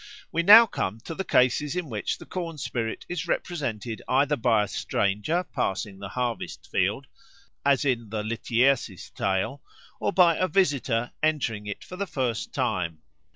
We now come to the cases in which the corn spirit is represented either by a stranger passing the harvest field (as in the Lityerses tale), or by a visitor entering it for the first time.